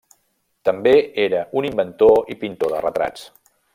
També era un inventor i pintor de retrats.